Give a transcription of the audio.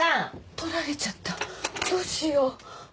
取られちゃったどうしよう。